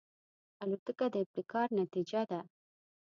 الوتکه د ابتکار نتیجه ده.